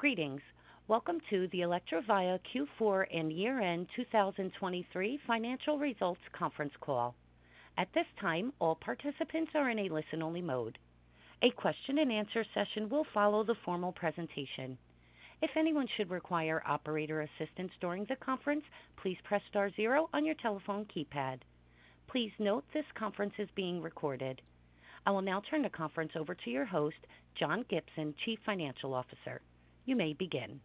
Greetings. Welcome to the Electrovaya Q4 and year-end 2023 financial results conference call. At this time, all participants are in a listen-only mode. A question-and-answer session will follow the formal presentation. If anyone should require operator assistance during the conference, please press star zero on your telephone keypad. Please note this conference is being recorded. I will now turn the conference over to your host, John Gibson, Chief Financial Officer. You may begin.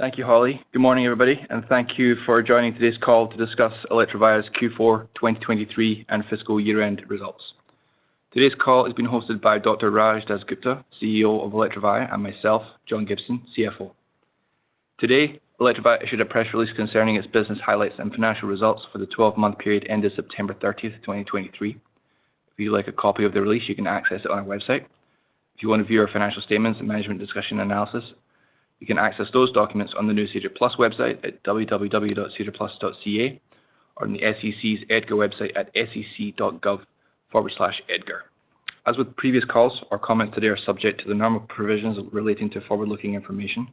Thank you, Holly. Good morning, everybody, and thank you for joining today's call to discuss Electrovaya's Q4 2023 and fiscal year-end results. Today's call is being hosted by Dr. Raj DasGupta, CEO of Electrovaya, and myself, John Gibson, CFO. Today, Electrovaya issued a press release concerning its business highlights and financial results for the 12-month period ended September thirtieth, 2023. If you'd like a copy of the release, you can access it on our website. If you want to view our financial statements and management discussion analysis, you can access those documents on the new SEDAR+ website at www.sedarplus.ca, or on the SEC's EDGAR website at sec.gov/edgar. As with previous calls, our comments today are subject to the normal provisions relating to forward-looking information.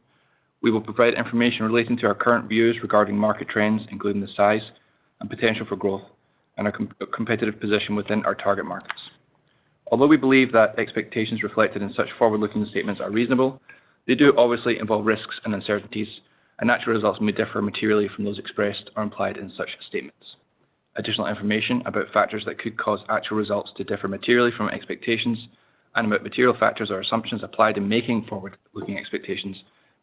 We will provide information relating to our current views regarding market trends, including the size and potential for growth and our competitive position within our target markets. Although we believe that expectations reflected in such forward-looking statements are reasonable, they do obviously involve risks and uncertainties, and actual results may differ materially from those expressed or implied in such statements. Additional information about factors that could cause actual results to differ materially from expectations and about material factors or assumptions applied in making forward-looking expectations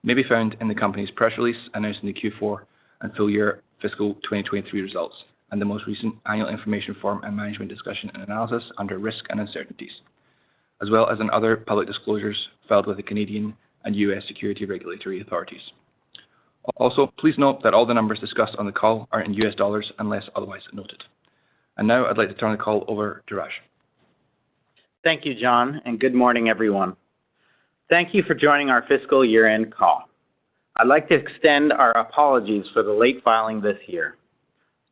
may be found in the company's press release announcing the Q4 and full year fiscal 2023 results, and the most recent annual information form and management discussion and analysis under Risks and Uncertainties, as well as in other public disclosures filed with the Canadian and U.S. securities regulatory authorities. Also, please note that all the numbers discussed on the call are in U.S. dollars, unless otherwise noted. Now I'd like to turn the call over to Raj. Thank you, John, and good morning, everyone. Thank you for joining our fiscal year-end call. I'd like to extend our apologies for the late filing this year.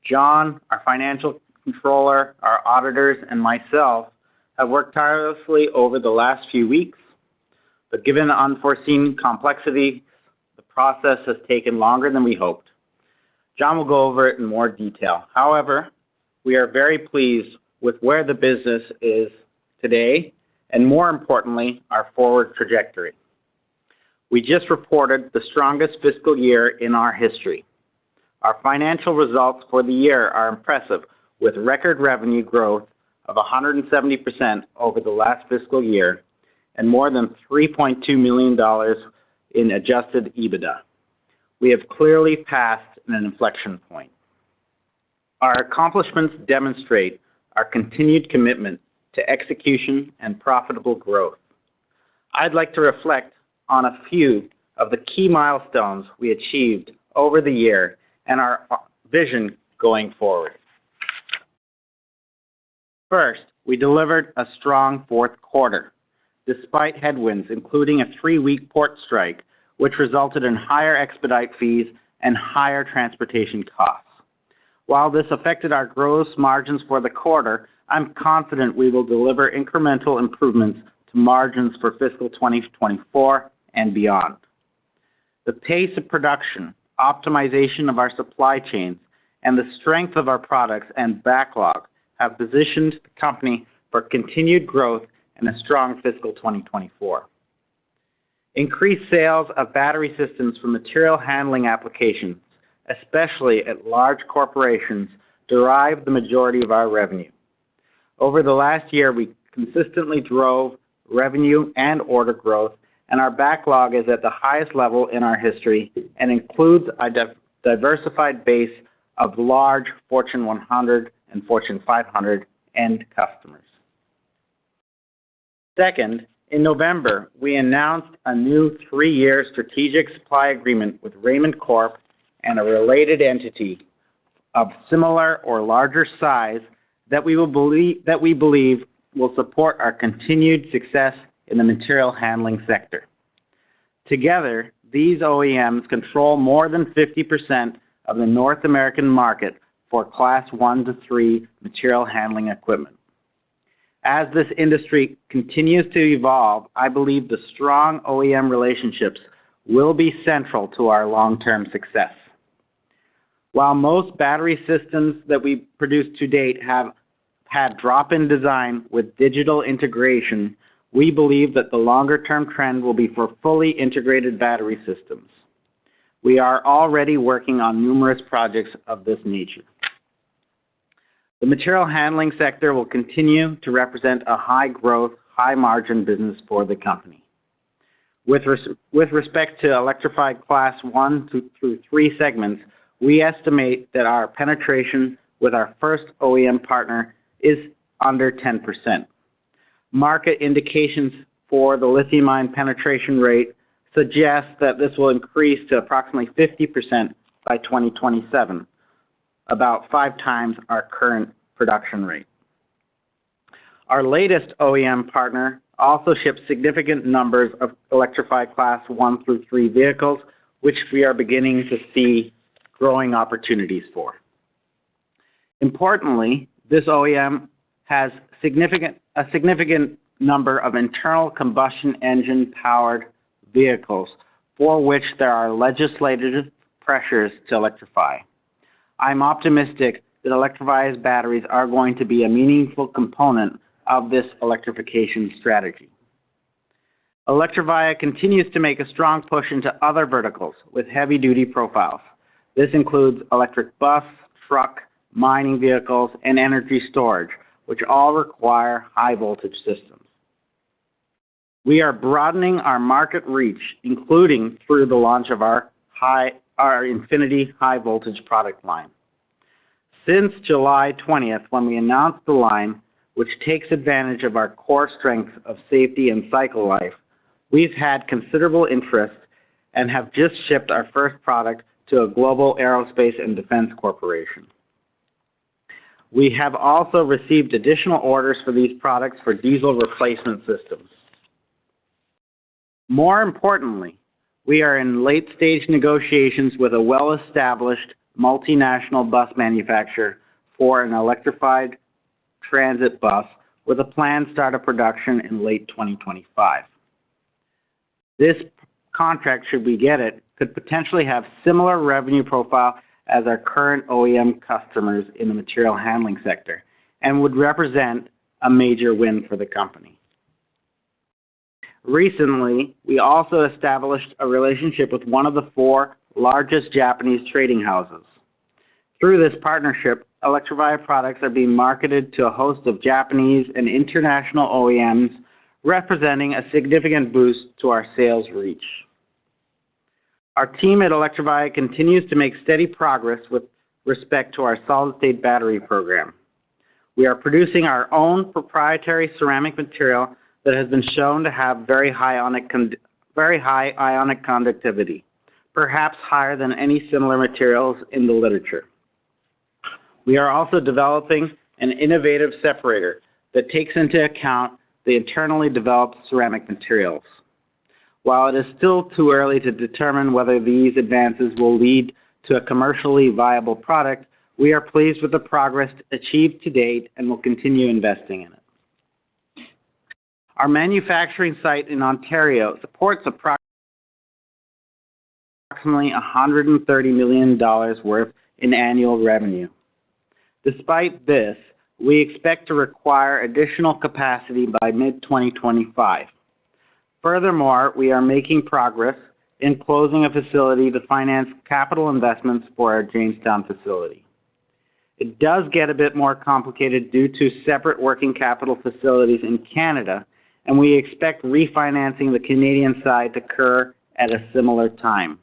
John, our financial controller, our auditors, and myself have worked tirelessly over the last few weeks, but given the unforeseen complexity, the process has taken longer than we hoped. John will go over it in more detail. However, we are very pleased with where the business is today and, more importantly, our forward trajectory. We just reported the strongest fiscal year in our history. Our financial results for the year are impressive, with record revenue growth of 170% over the last fiscal year and more than $3.2 million in adjusted EBITDA. We have clearly passed an inflection point. Our accomplishments demonstrate our continued commitment to execution and profitable growth. I'd like to reflect on a few of the key milestones we achieved over the year and our vision going forward. First, we delivered a strong fourth quarter, despite headwinds, including a three-week port strike, which resulted in higher expedite fees and higher transportation costs. While this affected our gross margins for the quarter, I'm confident we will deliver incremental improvements to margins for fiscal 2024 and beyond. The pace of production, optimization of our supply chains, and the strength of our products and backlog have positioned the company for continued growth and a strong fiscal 2024. Increased sales of battery systems for material handling applications, especially at large corporations, drive the majority of our revenue. Over the last year, we consistently drove revenue and order growth, and our backlog is at the highest level in our history and includes a diversified base of large Fortune 100 and Fortune 500 end customers. Second, in November, we announced a new three-year strategic supply agreement with Raymond Corp and a related entity of similar or larger size that we believe will support our continued success in the material handling sector. Together, these OEMs control more than 50% of the North American market for Class 1-3 material handling equipment. As this industry continues to evolve, I believe the strong OEM relationships will be central to our long-term success. While most battery systems that we've produced to date have had drop-in design with digital integration, we believe that the longer-term trend will be for fully integrated battery systems. We are already working on numerous projects of this nature. The material handling sector will continue to represent a high-growth, high-margin business for the company. With respect to electrified Class 1 through 3 segments, we estimate that our penetration with our first OEM partner is under 10%. Market indications for the lithium-ion penetration rate suggest that this will increase to approximately 50% by 2027, about five times our current production rate. Our latest OEM partner also ships significant numbers of electrified Class 1 through 3 vehicles, which we are beginning to see growing opportunities for. Importantly, this OEM has a significant number of internal combustion engine-powered vehicles for which there are legislated pressures to electrify. I'm optimistic that Electrovaya's batteries are going to be a meaningful component of this electrification strategy. Electrovaya continues to make a strong push into other verticals with heavy-duty profiles. This includes electric bus, truck, mining vehicles, and energy storage, which all require high-voltage systems. We are broadening our market reach, including through the launch of our Infinity High Voltage product line. Since July 20th, when we announced the line, which takes advantage of our core strengths of safety and cycle life, we've had considerable interest and have just shipped our first product to a global aerospace and defense corporation. We have also received additional orders for these products for diesel replacement systems. More importantly, we are in late-stage negotiations with a well-established multinational bus manufacturer for an electrified transit bus, with a planned start of production in late 2025. This contract, should we get it, could potentially have similar revenue profile as our current OEM customers in the material handling sector and would represent a major win for the company. Recently, we also established a relationship with one of the four largest Japanese trading houses. Through this partnership, Electrovaya products are being marketed to a host of Japanese and international OEMs, representing a significant boost to our sales reach. Our team at Electrovaya continues to make steady progress with respect to our solid-state battery program. We are producing our own proprietary ceramic material that has been shown to have very high ionic conductivity, perhaps higher than any similar materials in the literature. We are also developing an innovative separator that takes into account the internally developed ceramic materials. While it is still too early to determine whether these advances will lead to a commercially viable product, we are pleased with the progress achieved to date and will continue investing in it. Our manufacturing site in Ontario supports approximately $130 million worth in annual revenue. Despite this, we expect to require additional capacity by mid-2025. Furthermore, we are making progress in closing a facility to finance capital investments for our Jamestown facility. It does get a bit more complicated due to separate working capital facilities in Canada, and we expect refinancing the Canadian side to occur at a similar time.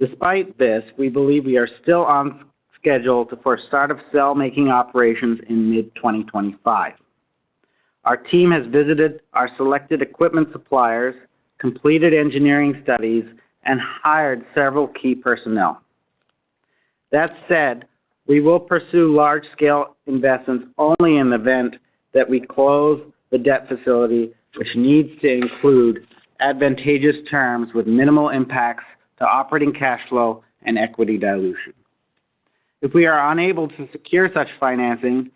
Despite this, we believe we are still on schedule to first start of cell making operations in mid-2025. Our team has visited our selected equipment suppliers, completed engineering studies, and hired several key personnel. That said, we will pursue large-scale investments only in the event that we close the debt facility, which needs to include advantageous terms with minimal impacts to operating cash flow and equity dilution. If we are unable to secure such financing,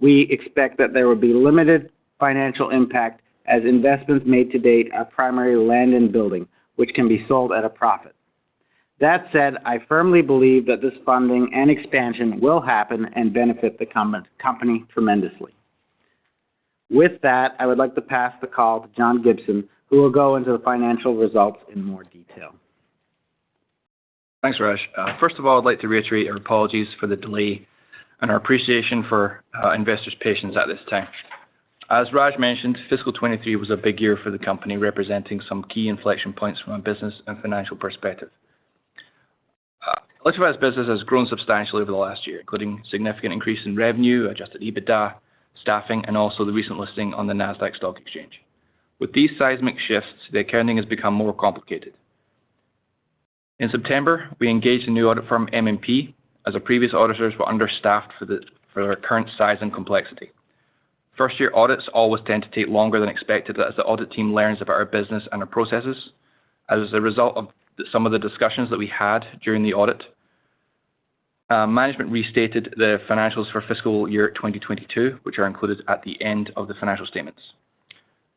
we expect that there will be limited financial impact, as investments made to date are primary land and building, which can be sold at a profit. That said, I firmly believe that this funding and expansion will happen and benefit the company tremendously. With that, I would like to pass the call to John Gibson, who will go into the financial results in more detail. Thanks, Raj. First of all, I'd like to reiterate our apologies for the delay and our appreciation for investors' patience at this time. As Raj mentioned, fiscal 2023 was a big year for the company, representing some key inflection points from a business and financial perspective. Electrovaya's business has grown substantially over the last year, including significant increase in revenue, Adjusted EBITDA, staffing, and also the recent listing on the Nasdaq Stock Exchange. With these seismic shifts, the accounting has become more complicated. In September, we engaged a new audit firm, MNP, as our previous auditors were understaffed for our current size and complexity. First-year audits always tend to take longer than expected as the audit team learns about our business and our processes. As a result of some of the discussions that we had during the audit, management restated the financials for fiscal year 2022, which are included at the end of the financial statements.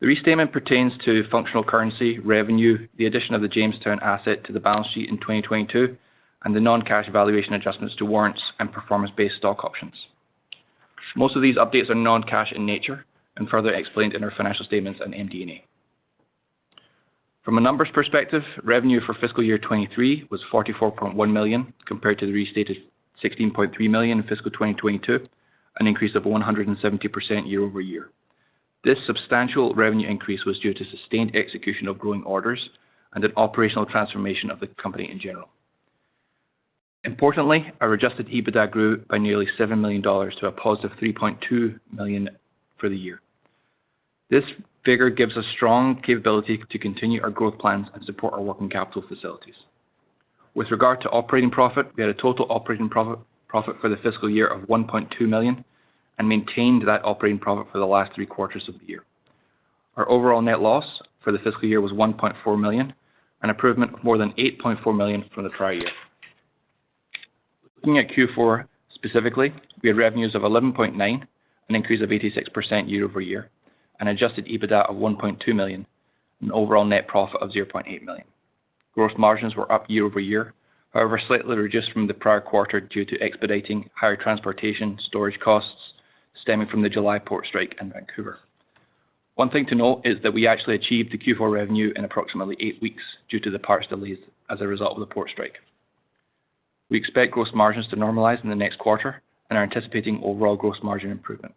The restatement pertains to functional currency, revenue, the addition of the Jamestown asset to the balance sheet in 2022, and the non-cash evaluation adjustments to warrants and performance-based stock options. Most of these updates are non-cash in nature and further explained in our financial statements and MD&A. From a numbers perspective, revenue for fiscal year 2023 was $44.1 million, compared to the restated $16.3 million in fiscal year 2022, an increase of 170% year-over-year. This substantial revenue increase was due to sustained execution of growing orders and an operational transformation of the company in general. Importantly, our Adjusted EBITDA grew by nearly $7 million to a positive $3.2 million for the year. This figure gives us strong capability to continue our growth plans and support our working capital facilities. With regard to operating profit, we had a total operating profit, profit for the fiscal year of $1.2 million and maintained that operating profit for the last three quarters of the year. Our overall net loss for the fiscal year was $1.4 million, an improvement of more than $8.4 million from the prior year. Looking at Q4 specifically, we had revenues of $11.9 million, an increase of 86% year-over-year, an Adjusted EBITDA of $1.2 million, an overall net profit of $0.8 million. Gross margins were up year-over-year, however, slightly reduced from the prior quarter due to expediting higher transportation storage costs stemming from the July port strike in Vancouver. One thing to note is that we actually achieved the Q4 revenue in approximately eight weeks due to the parts delays as a result of the port strike. We expect gross margins to normalize in the next quarter and are anticipating overall gross margin improvement.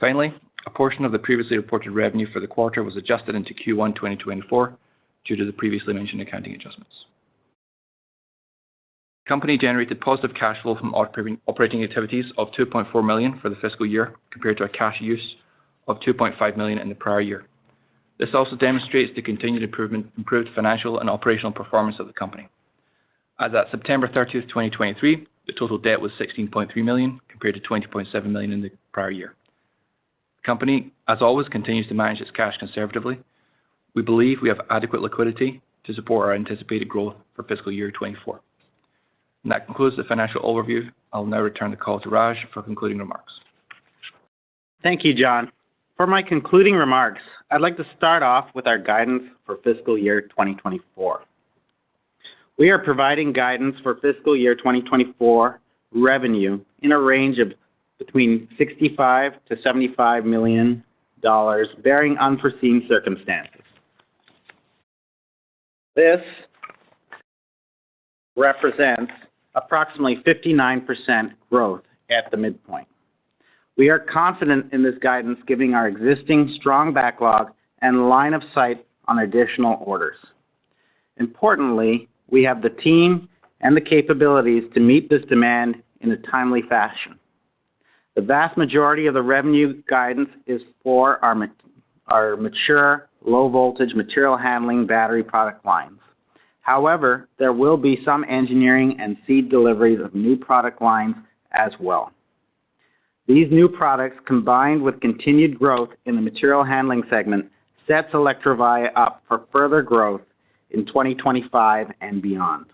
Finally, a portion of the previously reported revenue for the quarter was adjusted into Q1 2024 due to the previously mentioned accounting adjustments. Company generated positive cash flow from operating activities of $2.4 million for the fiscal year, compared to a cash use of $2.5 million in the prior year. This also demonstrates the continued improvement-improved financial and operational performance of the company. As at September 30, 2023, the total debt was $16.3 million, compared to $20.7 million in the prior year. The company, as always, continues to manage its cash conservatively. We believe we have adequate liquidity to support our anticipated growth for fiscal year 2024. That concludes the financial overview. I'll now return the call to Raj for concluding remarks. Thank you, John. For my concluding remarks, I'd like to start off with our guidance for fiscal year 2024. We are providing guidance for fiscal year 2024 revenue in a range of between $65 million-$75 million, barring unforeseen circumstances. This represents approximately 59% growth at the midpoint. We are confident in this guidance, giving our existing strong backlog and line of sight on additional orders. Importantly, we have the team and the capabilities to meet this demand in a timely fashion. The vast majority of the revenue guidance is for our mature low-voltage material handling battery product lines. However, there will be some engineering and seed deliveries of new product lines as well. These new products, combined with continued growth in the material handling segment, sets Electrovaya up for further growth in 2025 and beyond.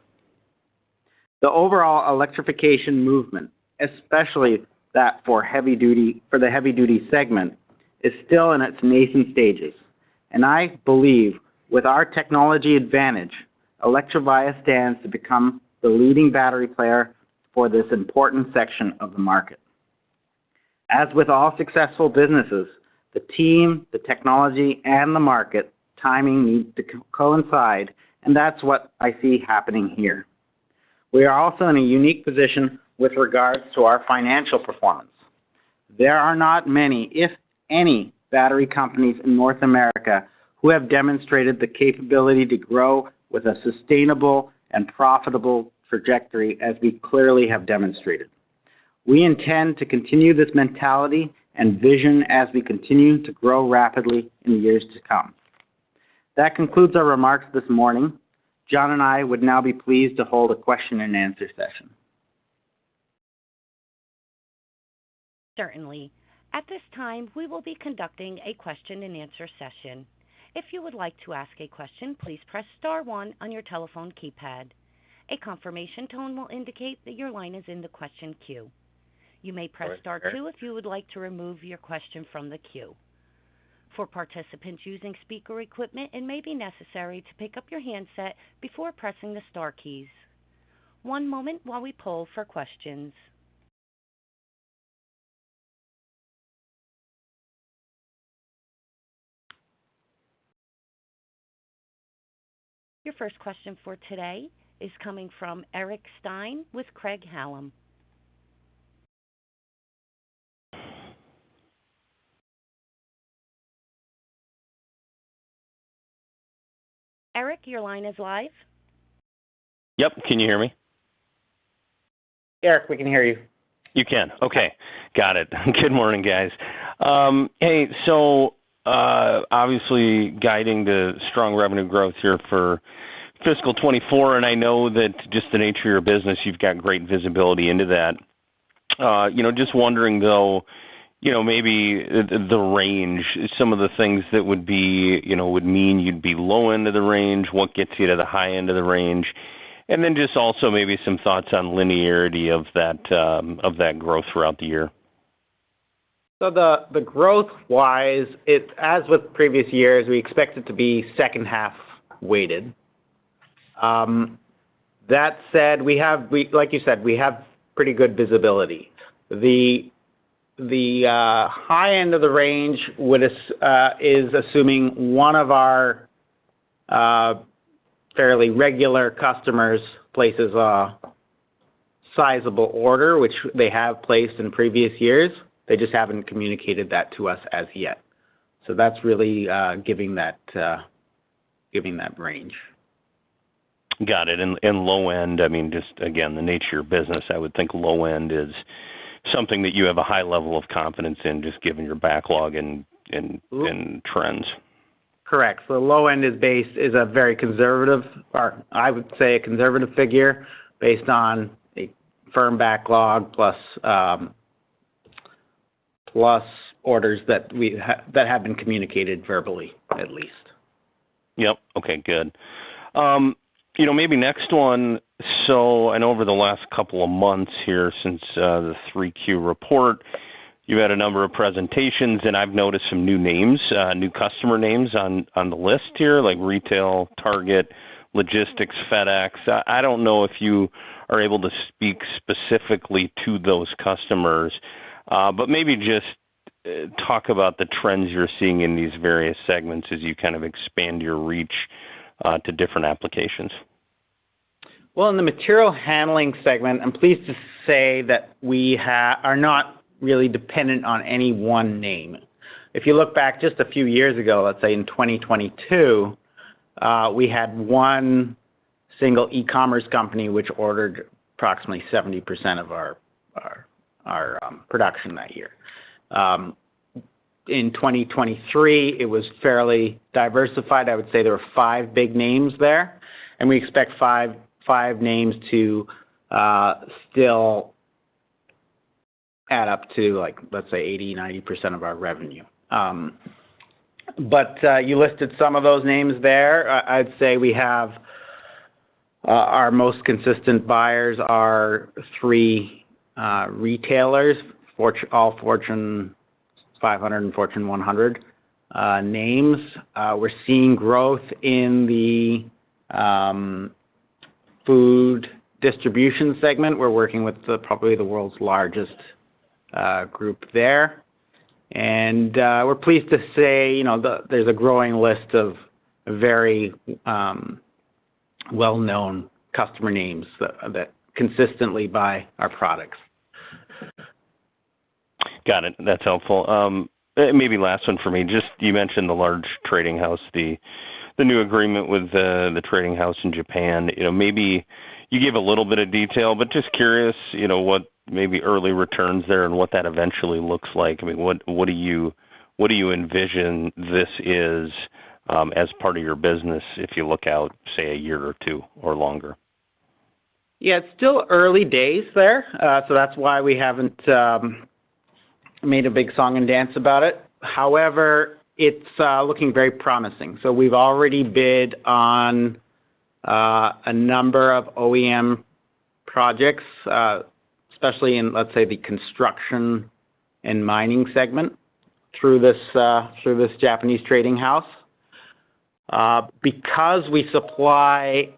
The overall electrification movement, especially that for heavy-duty segment, is still in its nascent stages, and I believe with our technology advantage, Electrovaya stands to become the leading battery player for this important section of the market. As with all successful businesses, the team, the technology, and the market timing need to coincide, and that's what I see happening here. We are also in a unique position with regards to our financial performance. There are not many, if any, battery companies in North America who have demonstrated the capability to grow with a sustainable and profitable trajectory, as we clearly have demonstrated. We intend to continue this mentality and vision as we continue to grow rapidly in the years to come. That concludes our remarks this morning. John and I would now be pleased to hold a question-and-answer session. Certainly. At this time, we will be conducting a question-and-answer session. If you would like to ask a question, please press star one on your telephone keypad. A confirmation tone will indicate that your line is in the question queue. You may press star two if you would like to remove your question from the queue. For participants using speaker equipment, it may be necessary to pick up your handset before pressing the star keys. One moment while we poll for questions. Your first question for today is coming from Eric Stine with Craig-Hallum. Eric, your line is live. Yep. Can you hear me? Eric, we can hear you. You can? Okay, got it. Good morning, guys. Hey, so obviously guiding the strong revenue growth here for fiscal 2024, and I know that just the nature of your business, you've got great visibility into that. You know, just wondering, though, you know, maybe the range, some of the things that would be, you know, would mean you'd be low end of the range, what gets you to the high end of the range? And then just also maybe some thoughts on linearity of that growth throughout the year. So, growth-wise, it's as with previous years, we expect it to be second half weighted. That said, like you said, we have pretty good visibility. The high end of the range is assuming one of our fairly regular customers places a sizable order, which they have placed in previous years. They just haven't communicated that to us as yet. So that's really giving that range. Got it. And low end, I mean, just again, the nature of your business, I would think low end is something that you have a high level of confidence in, just given your backlog and trends? Correct. So the low-end base is a very conservative, or I would say a conservative figure, based on a firm backlog plus plus orders that have been communicated verbally, at least. Yep. Okay, good. You know, maybe next one. So, and over the last couple of months here since the Q3 report, you've had a number of presentations, and I've noticed some new names, new customer names on the list here, like retail, Target, logistics, FedEx. I don't know if you are able to speak specifically to those customers, but maybe just talk about the trends you're seeing in these various segments as you kind of expand your reach to different applications. Well, in the material handling segment, I'm pleased to say that we are not really dependent on any one name. If you look back just a few years ago, let's say in 2022, we had one single e-commerce company which ordered approximately 70% of our production that year. In 2023, it was fairly diversified. I would say there were five big names there, and we expect five names to still add up to, like, let's say, 80%-90% of our revenue. But you listed some of those names there. I'd say we have our most consistent buyers are three retailers, all Fortune 500 and Fortune 100 names. We're seeing growth in the food distribution segment. We're working with the, probably the world's largest group there. We're pleased to say, you know, there's a growing list of very well-known customer names that consistently buy our products. Got it. That's helpful. Maybe last one for me. Just you mentioned the large trading house, the new agreement with the trading house in Japan. You know, maybe you gave a little bit of detail, but just curious, you know, what maybe early returns there and what that eventually looks like. I mean, what do you envision this is as part of your business if you look out, say, a year or two, or longer? Yeah, it's still early days there, so that's why we haven't made a big song and dance about it. However, it's looking very promising. So we've already bid on a number of OEM projects, especially in, let's say, the construction and mining segment through this Japanese trading house. Because we supply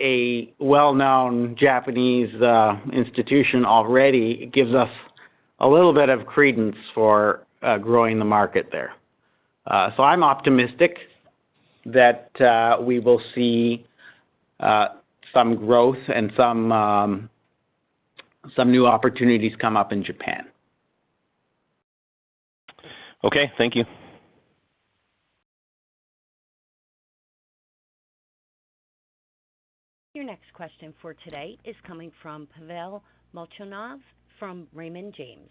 a well-known Japanese institution already, it gives us a little bit of credence for growing the market there. So I'm optimistic that we will see some growth and some new opportunities come up in Japan. Okay, thank you. Your next question for today is coming from Pavel Molchanov from Raymond James.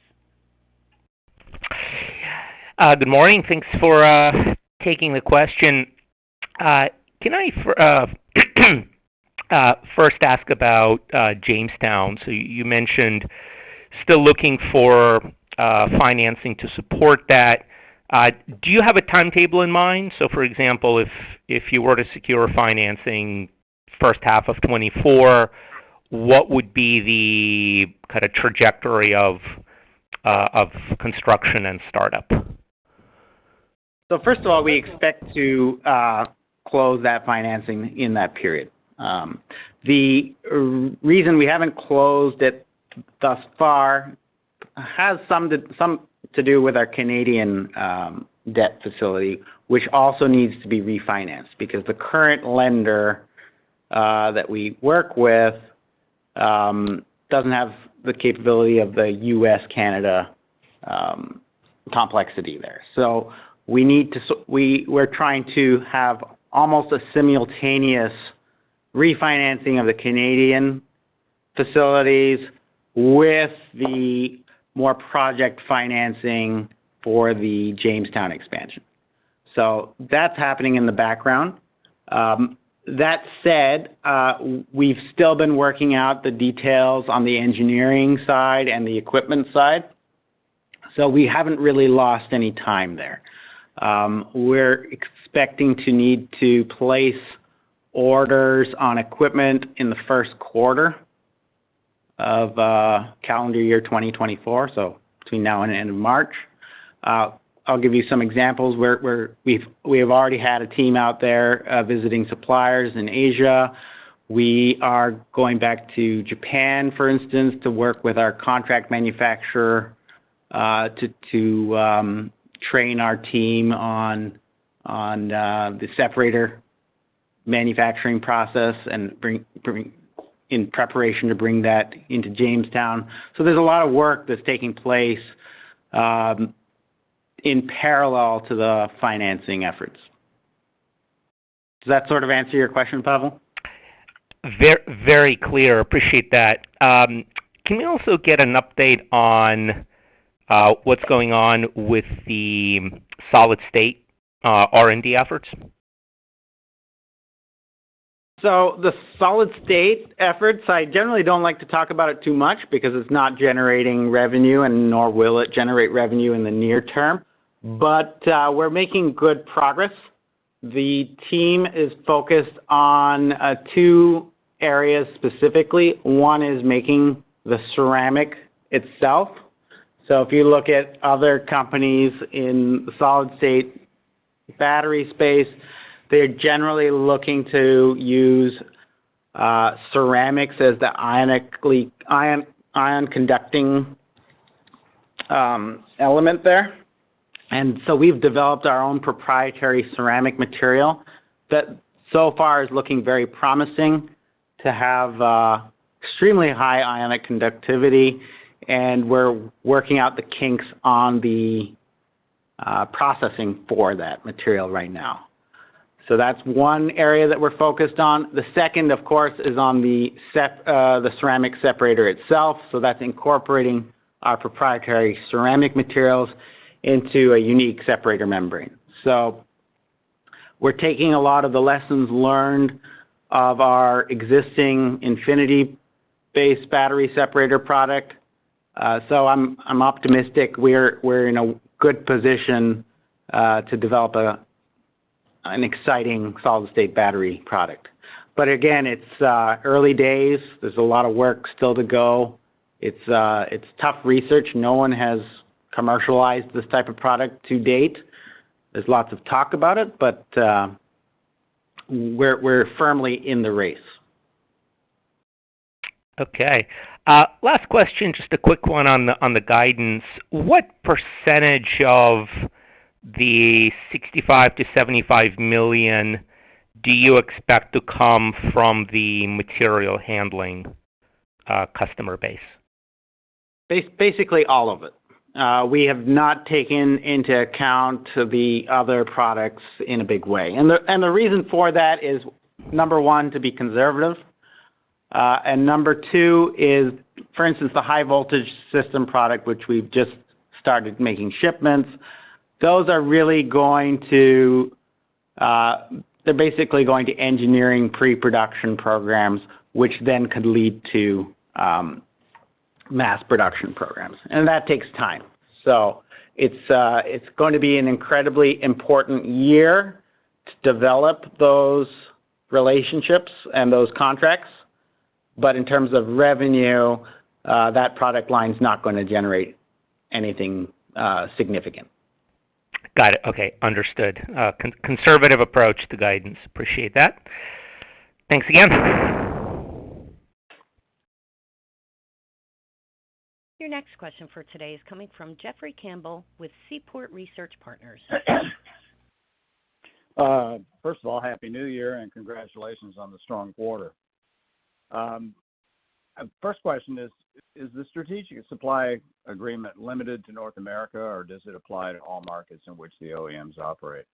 Good morning. Thanks for taking the question. Can I first ask about Jamestown? So you mentioned still looking for financing to support that. Do you have a timetable in mind? So for example, if you were to secure financing first half of 2024, what would be the kind of trajectory of construction and startup? So first of all, we expect to close that financing in that period. The reason we haven't closed it thus far has something to do with our Canadian debt facility, which also needs to be refinanced, because the current lender that we work with doesn't have the capability of the U.S.-Canada complexity there. So we're trying to have almost a simultaneous refinancing of the Canadian facilities with the more project financing for the Jamestown expansion. So that's happening in the background. That said, we've still been working out the details on the engineering side and the equipment side, so we haven't really lost any time there. We're expecting to need to place orders on equipment in the first quarter of calendar year 2024, so between now and end of March. I'll give you some examples where we've already had a team out there visiting suppliers in Asia. We are going back to Japan, for instance, to work with our contract manufacturer to train our team on the separator manufacturing process and bring in preparation to bring that into Jamestown. So there's a lot of work that's taking place in parallel to the financing efforts. Does that sort of answer your question, Pavel? Very clear. Appreciate that. Can we also get an update on what's going on with the solid-state R&D efforts? So the solid-state efforts, I generally don't like to talk about it too much because it's not generating revenue, and nor will it generate revenue in the near term. But we're making good progress. The team is focused on two areas specifically. One is making the ceramic itself. So if you look at other companies in the solid-state battery space, they're generally looking to use ceramics as the ion-conducting element there. And so we've developed our own proprietary ceramic material that so far is looking very promising to have extremely high ionic conductivity, and we're working out the kinks on the processing for that material right now. So that's one area that we're focused on. The second, of course, is on the ceramic separator itself, so that's incorporating our proprietary ceramic materials into a unique separator membrane. So we're taking a lot of the lessons learned of our existing Infinity-based battery separator product. So I'm optimistic we're in a good position to develop an exciting solid-state battery product. But again, it's early days. There's a lot of work still to go. It's tough research. No one has commercialized this type of product to date. There's lots of talk about it, but we're firmly in the race. Okay. Last question, just a quick one on the, on the guidance. What percentage of the $65 million-$75 million do you expect to come from the material handling customer base? Basically, all of it. We have not taken into account the other products in a big way. And the reason for that is, number one, to be conservative. And number two is, for instance, the high voltage system product, which we've just started making shipments, those are really going to, they're basically going to engineering pre-production programs, which then could lead to, mass production programs, and that takes time. So it's, it's going to be an incredibly important year to develop those relationships and those contracts. But in terms of revenue, that product line is not gonna generate anything, significant. Got it. Okay, understood. Conservative approach to guidance. Appreciate that. Thanks again. Your next question for today is coming from Jeffrey Campbell with Seaport Research Partners. First of all, happy New Year, and congratulations on the strong quarter. First question is: Is the strategic supply agreement limited to North America, or does it apply to all markets in which the OEMs operate?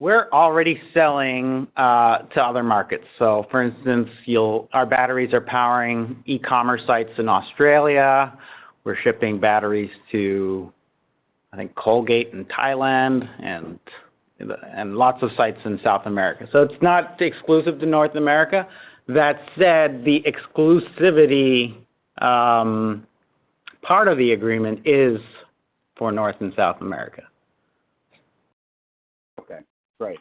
We're already selling to other markets. So for instance, our batteries are powering e-commerce sites in Australia. We're shipping batteries to, I think, Colgate in Thailand and lots of sites in South America. So it's not exclusive to North America. That said, the exclusivity part of the agreement is for North and South America. Okay, great.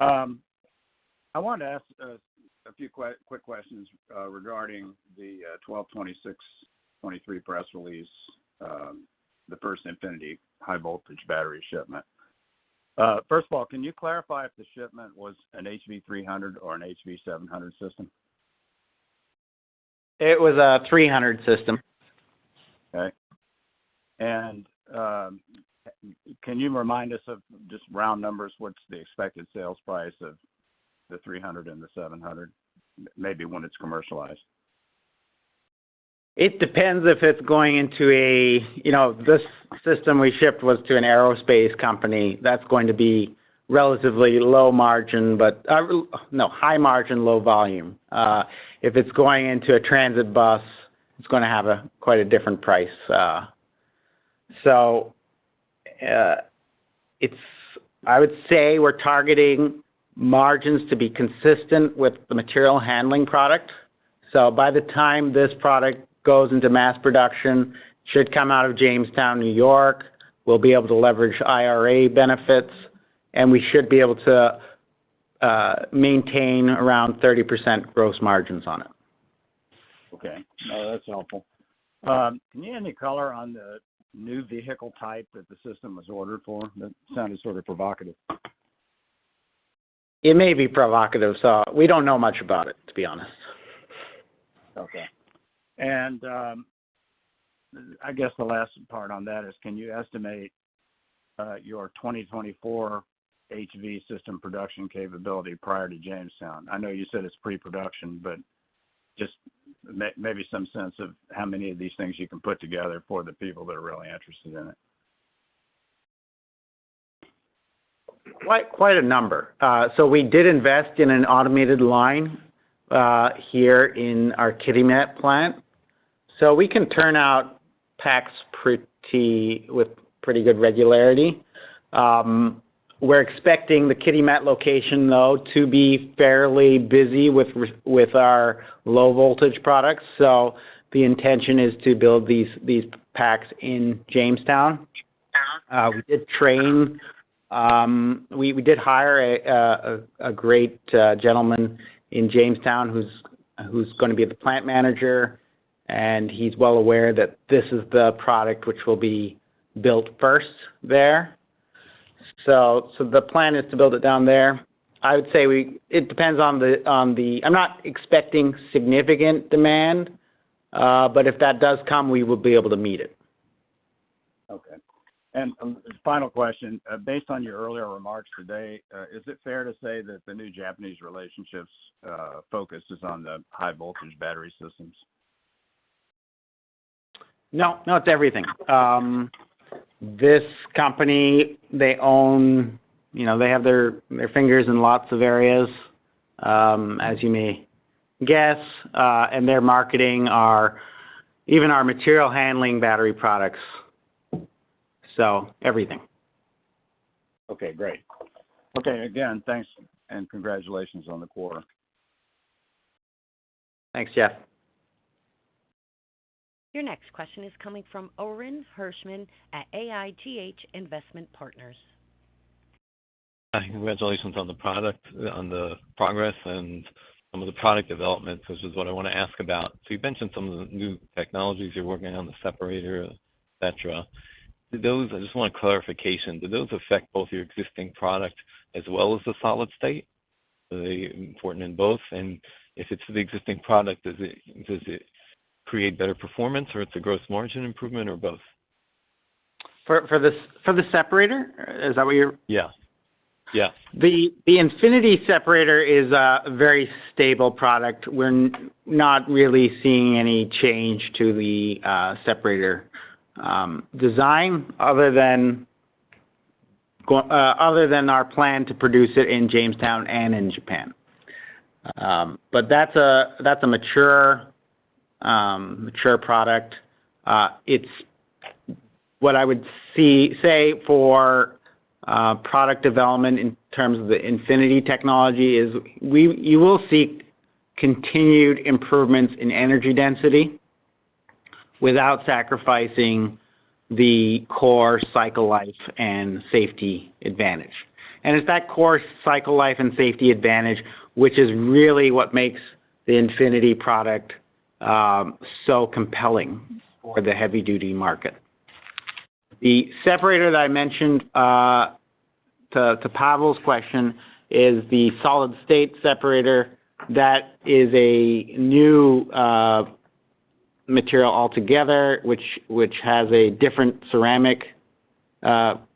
I wanted to ask a few quick questions regarding the 12/26/2023 press release, the first Infinity high-voltage battery shipment. First of all, can you clarify if the shipment was an HV300 or an HV700 system? It was a HV300 system. Okay. Can you remind us of, just round numbers, what's the expected sales price of the HV300 and the HV700, maybe when it's commercialized? It depends if it's going into a... You know, this system we shipped was to an aerospace company. That's going to be relatively low margin, but high margin, low volume. If it's going into a transit bus, it's gonna have quite a different price. So, it's— I would say we're targeting margins to be consistent with the material handling product. So by the time this product goes into mass production, should come out of Jamestown, New York, we'll be able to leverage IRA benefits, and we should be able to maintain around 30% gross margins on it. Okay. That's helpful. Do you have any color on the new vehicle type that the system was ordered for? That sounded sort of provocative. It may be provocative, so we don't know much about it, to be honest. Okay. And, I guess the last part on that is, can you estimate your 2024 HV system production capability prior to Jamestown? I know you said it's pre-production, but just maybe some sense of how many of these things you can put together for the people that are really interested in it? Quite, quite a number. So we did invest in an automated line here in our Kitimat plant. So we can turn out packs pretty, with pretty good regularity. We're expecting the Kitimat location, though, to be fairly busy with our low-voltage products, so the intention is to build these packs in Jamestown. We did hire a great gentleman in Jamestown who's gonna be the plant manager, and he's well aware that this is the product which will be built first there. So the plan is to build it down there. I would say it depends on the. I'm not expecting significant demand, but if that does come, we will be able to meet it. Okay. And, final question: based on your earlier remarks today, is it fair to say that the new Japanese relationship's focus is on the high-voltage battery systems? No. No, it's everything. This company, they own, you know, they have their, their fingers in lots of areas, as you may guess, and they're marketing our, even our material handling battery products. So everything. Okay, great. Okay, again, thanks, and congratulations on the quarter. Thanks, Jeff. Your next question is coming from Orin Hirschman at AIGH Investment Partners. Hi, congratulations on the product, on the progress and some of the product developments. This is what I wanna ask about. So you've mentioned some of the new technologies you're working on, the separator, et cetera. Do those... I just want clarification, do those affect both your existing product as well as the solid-state? Are they important in both? And if it's the existing product, does it, does it create better performance, or it's a gross margin improvement or both? For the separator? Is that what you're- Yes. Yes. The Infinity separator is a very stable product. We're not really seeing any change to the separator design other than our plan to produce it in Jamestown and in Japan. But that's a mature product. What I would say for product development in terms of the Infinity technology is you will see continued improvements in energy density without sacrificing the core cycle life and safety advantage. And it's that core cycle life and safety advantage, which is really what makes the Infinity product so compelling for the heavy-duty market. The separator that I mentioned to Pavel's question is the solid-state separator. That is a new material altogether, which has a different ceramic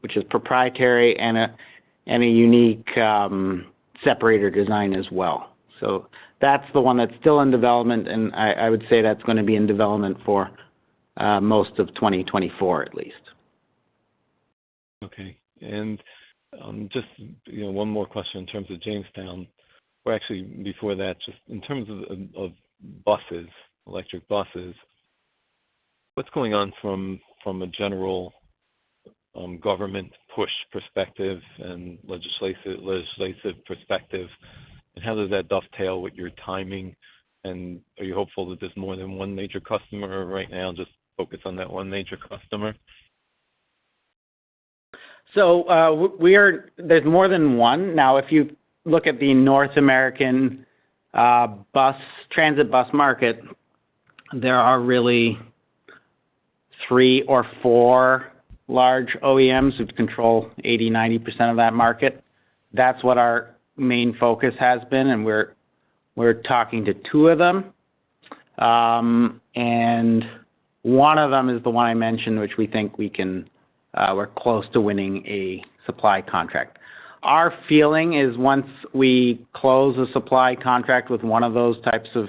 which is proprietary, and a unique separator design as well. So that's the one that's still in development, and I would say that's gonna be in development for most of 2024, at least. Okay. Just, you know, one more question in terms of Jamestown, or actually before that, just in terms of buses, electric buses, what's going on from a general government push perspective and legislative perspective? And how does that dovetail with your timing, and are you hopeful that there's more than one major customer, or right now just focused on that one major customer? So, we are—there's more than one. Now, if you look at the North American bus transit bus market, there are really three or four large OEMs which control 80%-90% of that market. That's what our main focus has been, and we're talking to 2 of them. And one of them is the one I mentioned, which we think we can, we're close to winning a supply contract. Our feeling is once we close a supply contract with one of those types of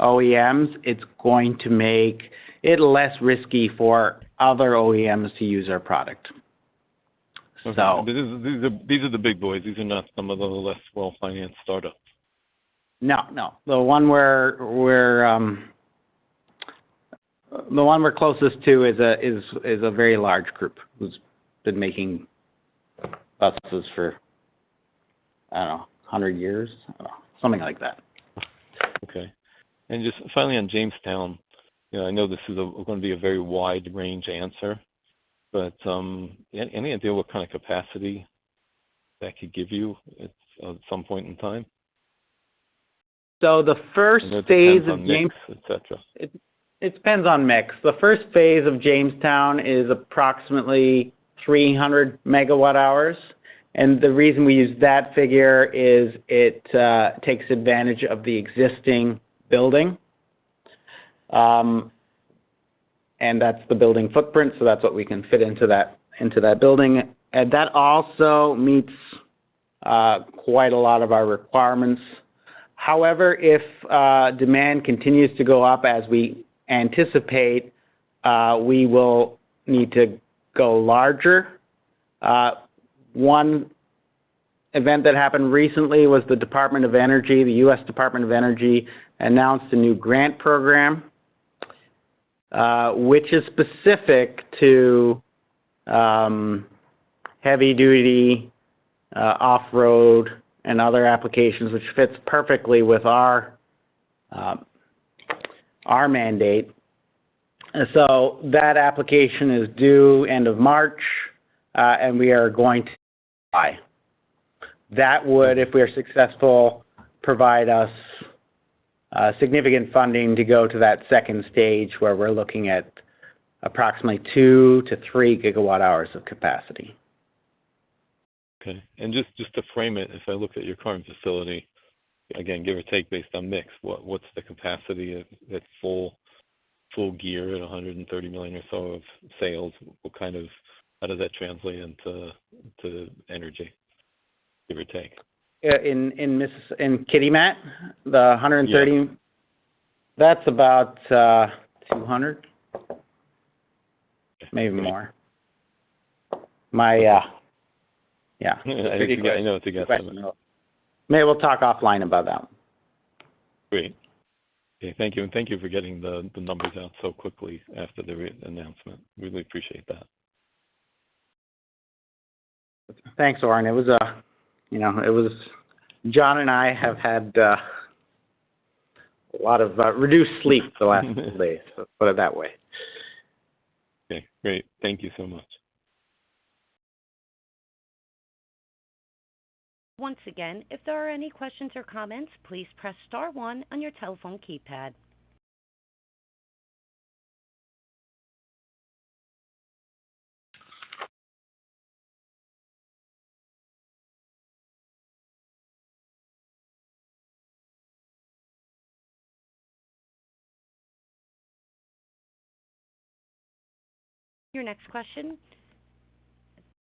OEMs, it's going to make it less risky for other OEMs to use our product. So- Okay. These are the big boys. These are not some of the less well-financed startups. No, no. The one we're closest to is a very large group who's been making buses for, I don't know, 100 years? I don't know. Something like that. Okay. Just finally, on Jamestown, you know, I know this is going to be a very wide-ranging answer, but any idea what kind of capacity that could give you at some point in time? The first phase of Jamestown- It depends on mix, et cetera. It depends on mix. The first phase of Jamestown is approximately 300 MWh, and the reason we use that figure is it takes advantage of the existing building. And that's the building footprint, so that's what we can fit into that building. And that also meets quite a lot of our requirements. However, if demand continues to go up as we anticipate, we will need to go larger. One event that happened recently was the U.S. Department of Energy announced a new grant program, which is specific to heavy-duty off-road and other applications, which fits perfectly with our mandate. And so that application is due end of March, and we are going to apply. That would, if we are successful, provide us significant funding to go to that second stage, where we're looking at approximately 2 GWh-3 GWh of capacity. Okay. Just to frame it, if I look at your current facility, again, give or take, based on mix, what's the capacity at full gear at $130 million or so of sales? What kind of, how does that translate into energy, give or take? Yeah, in this in Kitimat, the $130 million- Yeah. That's about 200, maybe more. My, yeah. I know it's a guess. Maybe we'll talk offline about that one. Great. Okay, thank you. Thank you for getting the numbers out so quickly after the re-announcement. Really appreciate that. Thanks, Orin. It was, you know, it was- John and I have had a lot of reduced sleep the last couple days, put it that way. Okay, great. Thank you so much. Once again, if there are any questions or comments, please press star one on your telephone keypad. Your next question.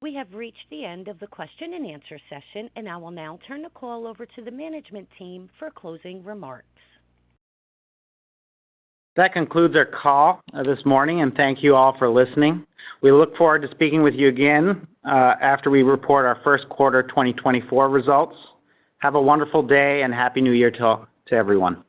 We have reached the end of the question and answer session, and I will now turn the call over to the management team for closing remarks. That concludes our call this morning, and thank you all for listening. We look forward to speaking with you again, after we report our first quarter 2024 results. Have a wonderful day and Happy New Year to all, to everyone.